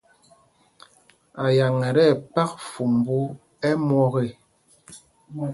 Ayaŋ ɛ tí ɛpak fumbū ɛ́ myɔk ê.